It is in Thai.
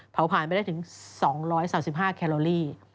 เผาผ่านไปได้ถึง๒๓๕แคโลลี่